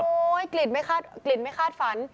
โอ๊ยกลิ่นไม่คาดฝัน